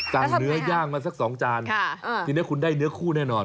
เนื้อย่างมาสัก๒จานทีนี้คุณได้เนื้อคู่แน่นอน